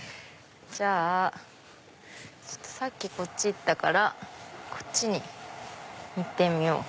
じゃあさっきこっち行ったからこっちに行ってみよう。